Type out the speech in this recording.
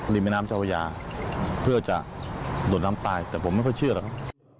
แม่น้ำเจ้าพระยาเพื่อจะโดดน้ำตายแต่ผมไม่ค่อยเชื่อหรอก